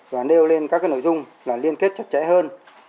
và nêu lên các nội dung là liên kết chặt chẽ hơn